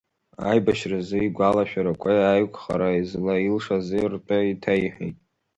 Аибашьразы игәалашәарақәеи аиқәхара злаилшази ртәы еиҭаиҳәеит.